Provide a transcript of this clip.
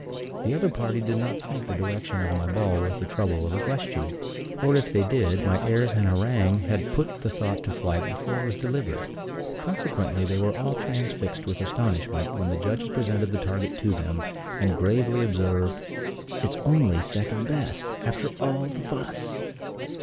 The other party did not think the direction of my ball worth the trouble of a question; or if they did, my airs and harangue had put the thought to flight before it was delivered. Consequently, they were all transfixed with astonishment when the judges presented the target to them, and gravely observed, "It's only second best, after all the fuss."